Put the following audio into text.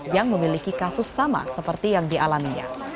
yang memiliki kasus sama seperti yang dialaminya